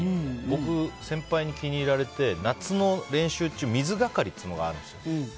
僕、先輩に気に入られて夏の練習中水係というのがあるんですよ。